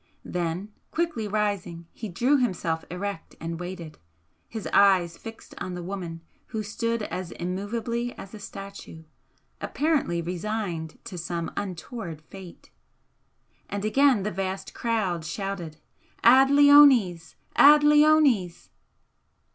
Then quickly rising he drew himself erect and waited, his eyes fixed on the woman who stood as immovably as a statue, apparently resigned to some untoward fate. And again the vast crowd shouted "Ad leones! Ad leones!"